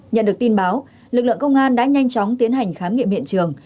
nhận được tin báo lực lượng công an đã nhanh chóng tiến hành khám nghiệm hiện trường